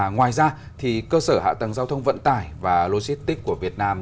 ngoài ra cơ sở hạ tầng giao thông vận tải và logistics của việt nam